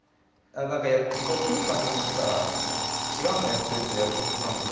こうピースを初めしたら「違うのやって」って言われちゃったので。